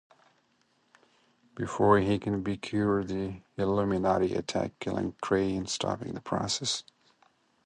Before he can be cured, the Illuminati attack, killing Cray and stopping the process.